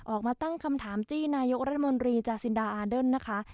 ออกมาตั้งคำถามจี้นายกรัฐมนตรีจาซินดาอาร์เดิร์นนะคะ